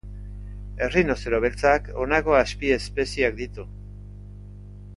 Errinozero beltzak honako azpiespezieak ditu.